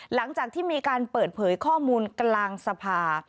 หลังจากที่มีการเปิดเผยข้อมูลกลางสภา